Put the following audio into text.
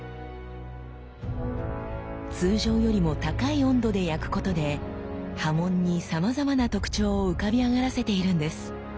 通常よりも高い温度で焼くことで刃文にさまざまな特徴を浮かび上がらせているんです。